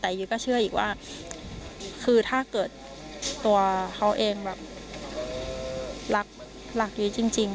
แต่ยุ้ยก็เชื่ออีกว่าคือถ้าเกิดตัวเขาเองแบบรักยุ้ยจริง